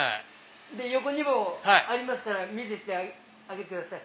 横にもありますから見てってあげてください。